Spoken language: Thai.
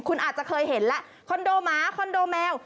คุณอาจจะเคยเห็นแล้วคอนโดหมาคอนโดแมว